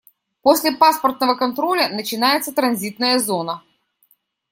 После паспортного контроля начинается транзитная зона.